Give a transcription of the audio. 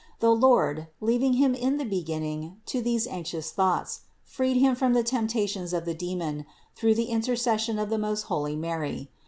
The Lord, leaving him in the beginning to these anxious thoughts, freed him from the temptations of the demon through the intercession of the most holy Mary.